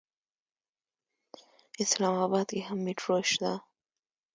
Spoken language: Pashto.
اسلام اباد کې هم میټرو شته.